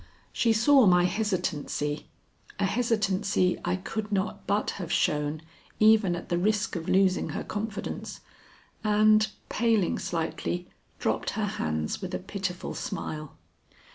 She saw my hesitancy (a hesitancy I could not but have shown even at the risk of losing her confidence), and, paling slightly, dropped her hands with a pitiful smile.